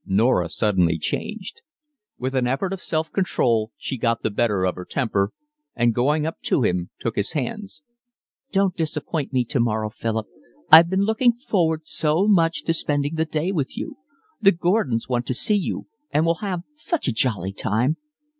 Norah suddenly changed. With an effort of self control she got the better of her temper, and going up to him took his hands. "Don't disappoint me tomorrow, Philip, I've been looking forward so much to spending the day with you. The Gordons want to see you, and we'll have such a jolly time."